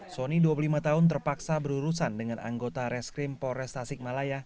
soni dua puluh lima tahun terpaksa berurusan dengan anggota reskrim polres tasikmalaya